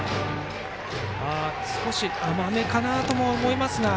少し甘めかなと思いますが。